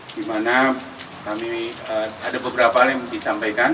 di mana kami ada beberapa hal yang disampaikan